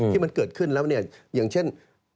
ที่มันเกิดขึ้นแล้วเนี่ยอย่างเช่น